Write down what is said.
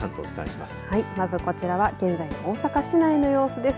まずこちらは現在の大阪市内の様子です。